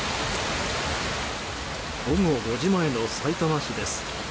午後５時前のさいたま市です。